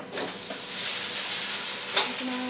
いただきます。